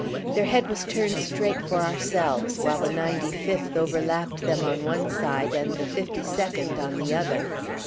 Their head was turned straight for ourselves, while the 95th overlapped them on one side and the 52nd on the other.